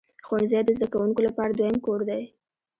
ښوونځی د زده کوونکو لپاره دویم کور دی.